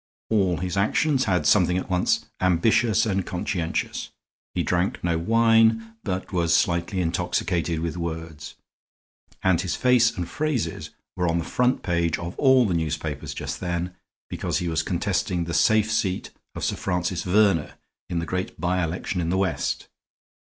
All his actions had something at once ambitious and conscientious; he drank no wine, but was slightly intoxicated with words. And his face and phrases were on the front page of all the newspapers just then, because he was contesting the safe seat of Sir Francis Verner in the great by election in the west.